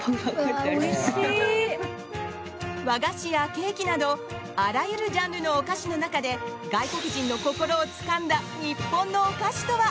和菓子からケーキまであらゆるジャンルのお菓子の中で外国人の心をつかんだ日本のお菓子とは？